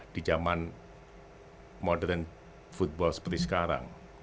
di zaman modern football seperti sekarang